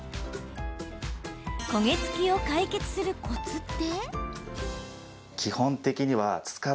焦げ付きを解決するコツって？